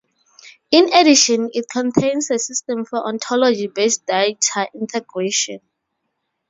In addition it contains a system for Ontology-based data integration.